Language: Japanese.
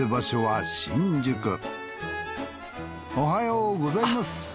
おはようございます。